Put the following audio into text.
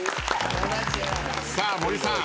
さあ森さん